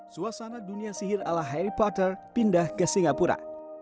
suasana dunia sihir ala harry potter pindah ke singapura